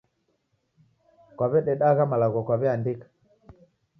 Kwaw'ededa agha malagho kwaw'eandika?